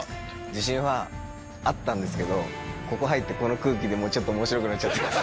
自信はあったんですけど、ここ入って、この空気で、ちょっとおもしろくなっちゃってます。